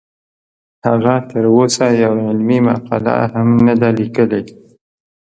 هغه تر اوسه یوه علمي مقاله هم نه ده لیکلې